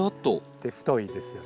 太いですよね。